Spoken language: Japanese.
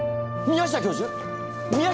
宮下教授！？